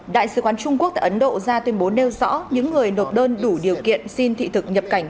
đại sứ quán trung quốc tại ấn độ ra tuyên bố nêu rõ những người nộp đơn đủ điều kiện xin thị thực nhập cảnh